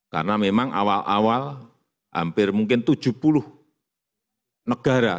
karena memang awal awal hampir mungkin tujuh puluh negara